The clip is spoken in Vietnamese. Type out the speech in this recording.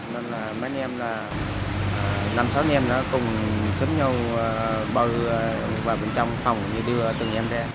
nên là mấy em là năm sáu em nó cùng xếp nhau bờ vào bên trong phòng như đưa từng em ra